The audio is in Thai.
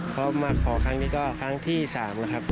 เพราะมาขอครั้งนี้ก็ครั้งที่๓นะครับ